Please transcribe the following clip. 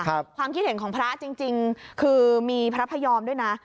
ความคิดเห็นของพระจริงจริงคือมีพระพยอมด้วยนะ